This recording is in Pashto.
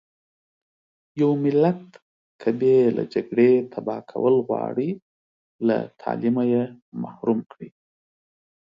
يو ملت که بې له جګړې تبا کول غواړٸ له تعليمه يې محروم .